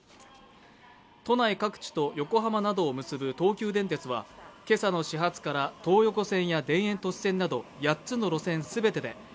都内各地と横浜などを結ぶ東急電鉄は今朝の始発から東横線や田園都市線など８つの路線全てで